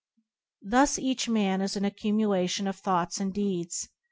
Thus each man is an accumulation of thoughts and deeds.